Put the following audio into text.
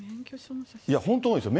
本当に多いんですよ。